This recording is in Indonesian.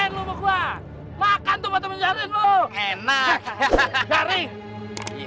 jangan bang ini udah gak mau ini udah gak mau